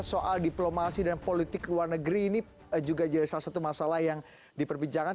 soal diplomasi dan politik luar negeri ini juga jadi salah satu perbicaraan